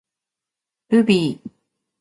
ルビー